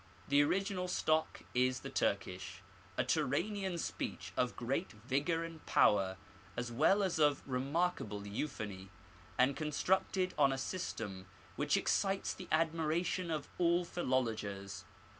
The original stock is the Turkish, a Turanian speech of great vigour and power, as well as of remarkable euphony, and constructed on a system which excites the admiration of all philologers.